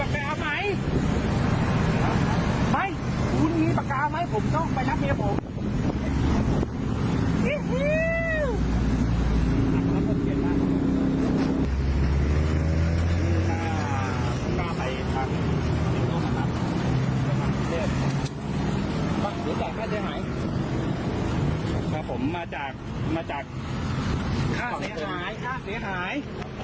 ครับผมมาจากมาจากค่าเสียหายค่าเสียหาย